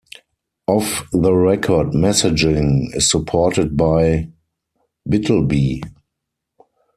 Off-the-record messaging is supported by Bitlbee.